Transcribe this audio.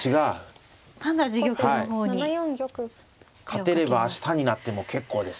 勝てれば明日になっても結構です。